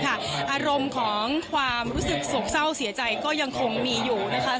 อารมณ์ของความรู้สึกโศกเศร้าเสียใจก็ยังคงมีอยู่นะคะ